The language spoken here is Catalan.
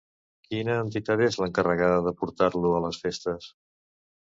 Quina entitat es l'encarregada de portar-lo a les festes?